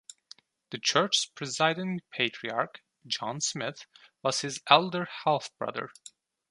The church's presiding patriarch, John Smith, was his elder half-brother.